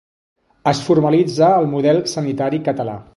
Es formalitza el model sanitari català.